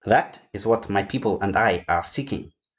That is what my people and I are seeking.